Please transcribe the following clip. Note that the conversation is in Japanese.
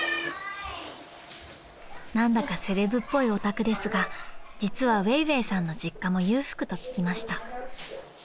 ［何だかセレブっぽいお宅ですが実は薇薇さんの実家も裕福と聞きました］